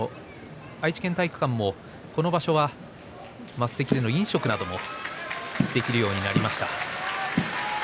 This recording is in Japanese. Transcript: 愛知県体育館も、この場所は升席での飲食などもできるようになりました。